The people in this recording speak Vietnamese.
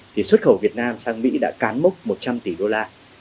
thì xuất khẩu việt nam sang mỹ đã cán mốc một trăm linh tỷ đô la